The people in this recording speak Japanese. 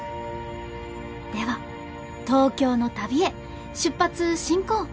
では東京の旅へ出発進行。